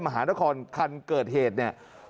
มหานครคันเกิดเหตุเนี่ย